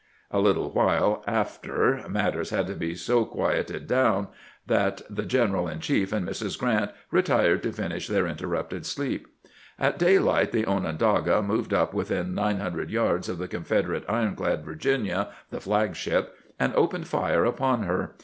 A little while after matters had so quieted down that the general in chief and Mrs. Grrant retired to finish their interrupted sleep. At daylight the Onondaga moved up within nine hundred yards of the Confederate ironclad Virginia, the flag ship, and opened fire upon her.